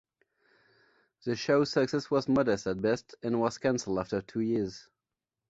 The show's success was modest at best, and was canceled after two years.